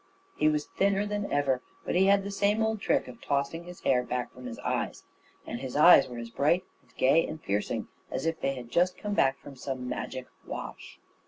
He was thinner than ever, but he had the same old trick of tossing his hair back from his eyes; and his eyes were as bright and gay and piercing as if they had just come back from some magic wash.